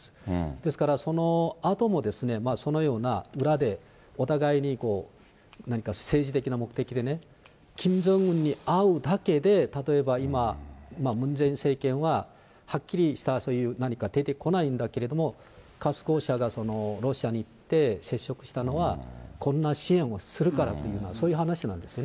ですから、そのあとも、そのような裏でお互いに何か政治的な目的でね、キム・ジョンウンに会うだけで、例えば今、ムン・ジェイン政権ははっきりしたそういう何か出てこないんだけれども、ガス公社がロシアに行って接触したのは、こんな支援をするからという、そういう話なんですよね。